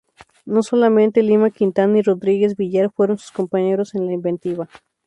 No solamente Lima Quintana y Rodríguez Villar fueron sus compañeros en la inventiva.